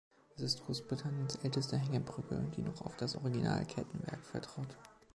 Es ist Großbritanniens älteste Hängebrücke, die noch auf das Original-Kettenwerk vertraut.